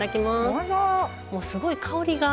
もうすごい香りが。